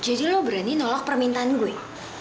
jadi lo berani nolak permintaan gue